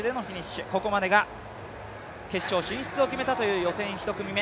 ここまでが決勝進出を決めたという予選１組目。